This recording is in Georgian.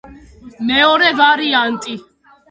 მეორე ვარიანტი.